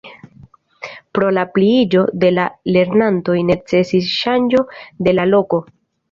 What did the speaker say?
Pro la pliiĝo de la lernantoj necesis ŝanĝo de la loko.